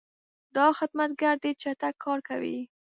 دا خدمتګر ډېر چټک کار کوي.